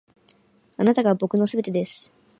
あなたが僕の全てです．